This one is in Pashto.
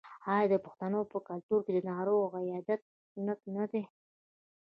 آیا د پښتنو په کلتور کې د ناروغ عیادت سنت نه دی؟